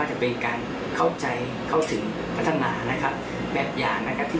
โดยเฉพาะอันนี้การบันหารส่วนยกนอง